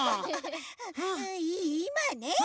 いいまね